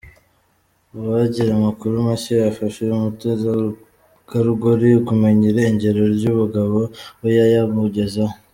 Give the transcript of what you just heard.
Uwagira amakuru mashya yafasha uyu mutegarugori kumenya irengero ry’umugabo we yayamugezaho